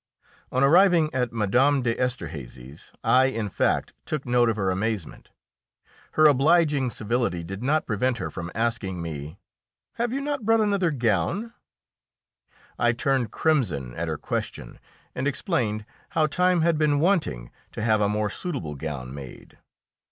On arriving at Mme. d'Esterhazy's, I, in fact, took note of her amazement. Her obliging civility did not prevent her from asking me, "Have you not brought another gown?" I turned crimson at her question, and explained how time had been wanting to have a more suitable gown made.